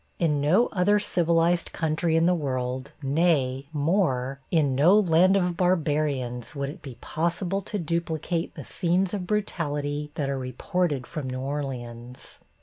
In no other civilized country in the world, nay, more, in no land of barbarians would it be possible to duplicate the scenes of brutality that are reported from New Orleans.